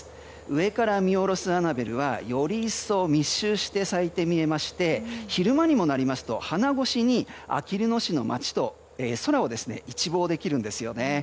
上から見下ろすアナベルはより一層、密集して咲いて見えまして昼間にもなりますと花越しにあきる野市の街と空を一望できるんですよね。